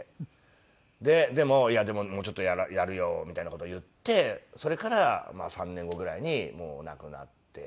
でも「いやでももうちょっとやるよ」みたいな事言ってそれから３年後ぐらいにもう亡くなって。